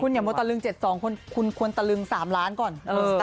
อย่ามดตะลึง๗๒คุณควรตะลึง๓ล้านก่อน